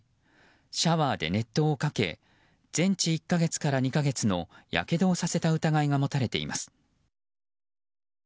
シャワーで熱湯をかけ全治１か月から２か月のやけどをさせた疑いが持たれています。